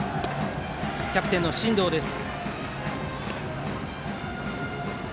キャプテンの進藤です。